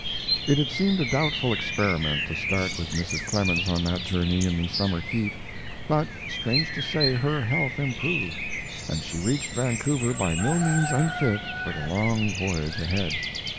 It had seemed a doubtful experiment to start with Mrs. Clemens on that journey in the summer heat; but, strange to say, her health improved, and she reached Vancouver by no means unfit for the long voyage ahead.